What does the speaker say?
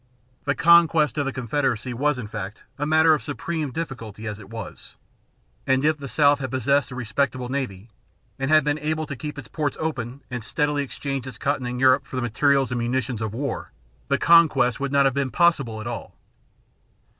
The conquest of the Confederacy was in fact a matter of supreme difficulty as it was; and if the South had possessed a respectable navy, and had been able to keep its ports open and steadily exchange its cotton in Europe for the materials and munitions of war, the conquest would not have been possible at all.